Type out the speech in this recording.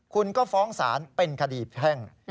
คุณก็ฟ้องศาลเป็นคดีแพ่ง